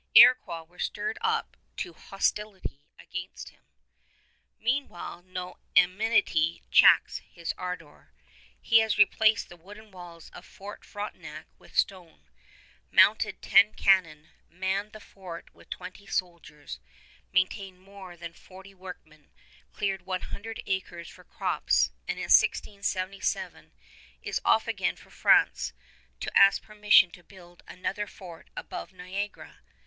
Iroquois were stirred up to hostility against him. Meanwhile no enmity checks his ardor. He has replaced the wooden walls of Fort Frontenac with stone, mounted ten cannon, manned the fort with twenty soldiers, maintained more than forty workmen, cleared one hundred acres for crops, and in 1677 is off again for France to ask permission to build another fort above Niagara.